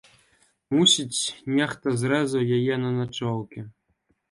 Мусіць, нехта зрэзаў яе на начоўкі.